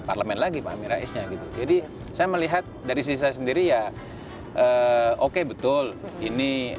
parlemen lagi pak amin raisnya gitu jadi saya melihat dari sisi saya sendiri ya oke betul ini